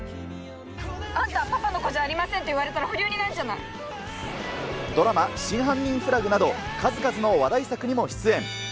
あんたはパパの子じゃありませんって言われたら、不良になるドラマ、真犯人フラグなど数々の話題作にも出演。